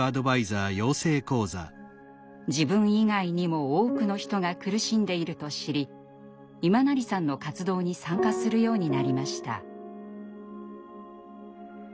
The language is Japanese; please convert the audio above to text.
自分以外にも多くの人が苦しんでいると知り今成さんの活動に参加するようになりました。